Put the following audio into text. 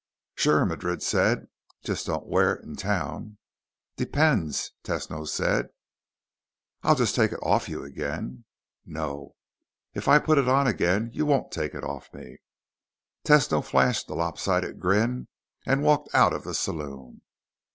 "Sure," Madrid said. "Just don't wear it in town." "Depends," Tesno said. "I'd just take it off you again." "No. If I put it on again, you won't take it off me." Tesno flashed the lopsided grin and walked out of the saloon.